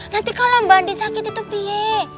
nanti kalau mbak andin sakit itu pie